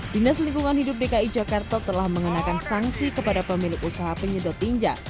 dinas lingkungan hidup dki jakarta telah mengenakan sanksi kepada pemilik usaha penyedot tinja